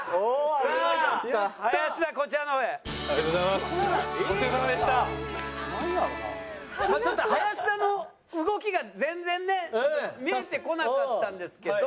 まあちょっと林田の動きが全然ね見えてこなかったんですけど。